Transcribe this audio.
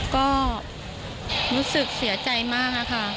ก็รู้สึกเสียใจมากค่ะ